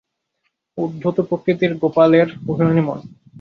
উদ্ধত প্রকৃতি গোপালের, অভিমানী মন।